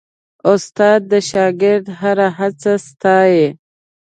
استاد د شاګرد هره هڅه ستايي.